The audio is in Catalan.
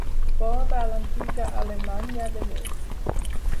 Corda a l'antiga Alemanya de l'Est.